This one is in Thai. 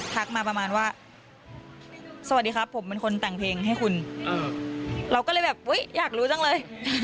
มาประมาณว่าสวัสดีครับผมเป็นคนแต่งเพลงให้คุณเราก็เลยแบบอุ๊ยอยากรู้จังเลย